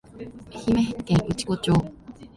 愛媛県内子町